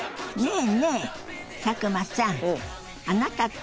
え？